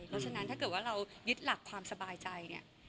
เพราะฉะนั้นถ้าเกิดว่าเรายึดหลักความสบายใจเนี่ย